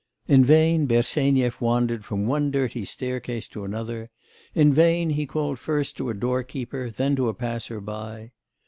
In vain Bersenyev wandered from one dirty staircase to another, in vain he called first to a doorkeeper, then to a passer by.